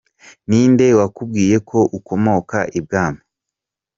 Ni nde wakubwiye ko ukomoka ibwami?.